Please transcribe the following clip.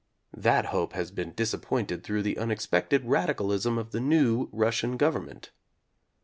That hope has been disappointed through the unexpected radicalism of the new Russian government.